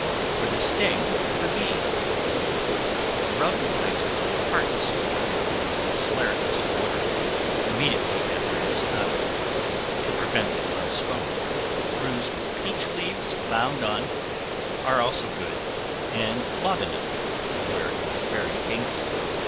For the Sting of a Bee. Rub the place with hartshorn or salaeratus water, immediately after it is stung, to prevent it from swelling; bruised peach leaves bound on, are also good, and laudanum, where it is very painful.